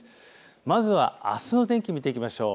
まずはあすの天気見ていきましょう。